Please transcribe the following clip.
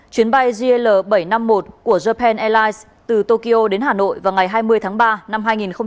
chuyến bay gl bảy trăm năm mươi một của japan airlines từ tokyo đến hà nội vào ngày hai mươi tháng ba năm hai nghìn hai mươi